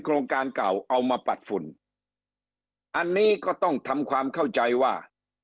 โครงการเก่าเอามาปัดฝุ่นอันนี้ก็ต้องทำความเข้าใจว่า